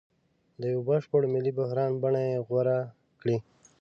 د یوه بشپړ ملي بحران بڼه یې غوره کړې.